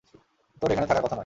তোর এখানে থাকার কথা নয়।